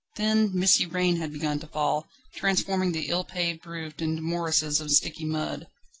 A thin, misty rain had begun to fall, transforming the ill paved roads into morasses of sticky mud.